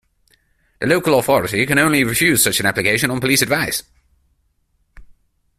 The local authority can only refuse such an application on police advice.